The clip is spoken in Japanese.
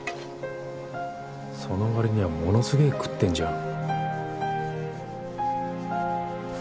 その割にはものすげえ食ってんじゃん。